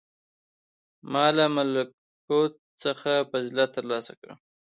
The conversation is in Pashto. • ما له ملکوت څخه فضیلت تر لاسه کړ.